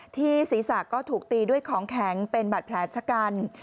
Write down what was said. ที่ศีรษะก็ถูกตีด้วยของแข็งเป็นบัตรแผลชะกัน